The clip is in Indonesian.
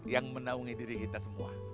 yang menaungi diri kita semua